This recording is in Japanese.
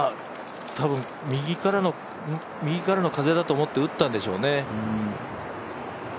多分、右からの風だと思って打ったんでしょうね。